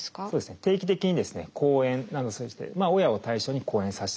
定期的にですね講演などを通じて親を対象に講演させてもらう。